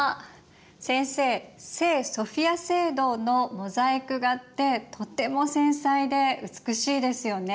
先生聖ソフィア聖堂のモザイク画ってとても繊細で美しいですよね。